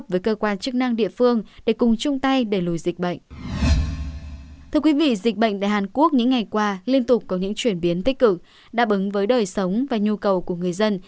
vì dịch bệnh tại hàn quốc những ngày qua liên tục có những chuyển biến tích cực đáp ứng với đời sống và nhu cầu của người dân